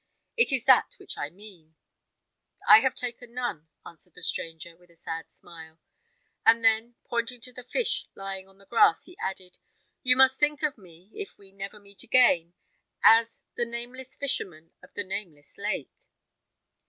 It is that which I mean." "I have taken none," answered the stranger, with a sad smile; and then, pointing to the fish lying on the grass, he added, "You must think of me, if we never meet again, as the Nameless Fisherman of the Nameless Lake."